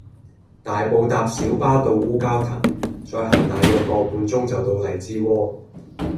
大埔搭小巴到烏蛟騰，再行大約個半鐘就到荔枝窩